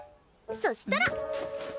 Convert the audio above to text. そしたら！